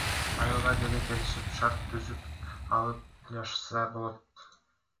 Айылга деле келип шарт түзүп алып жашаса болот.